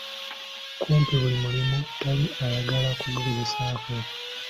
Kumpi buli mulimu tali ayagala agugezeeko.